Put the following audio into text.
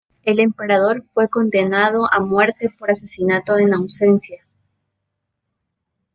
El emperador fue condenado a muerte por asesinato en ausencia.